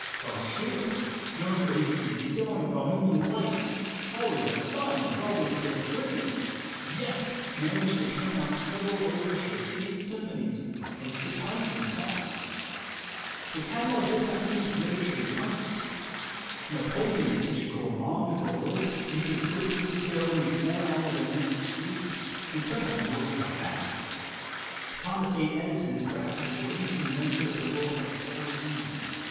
Franz Schubert, known for his easy going Bohemian life, always out of funds, always care free, yet managed to turn out several overtures, eight symphonies, and six hundred songs! The catalog does not end with literature and the arts. Napoleon was such a gourmand for work THE WAY TO WILL POWER 149 that he could frequently spare only four hours a night for sleep, and sometimes went without that. Thomas A. Edison is perhaps the greatest inventor that the world has ever seen.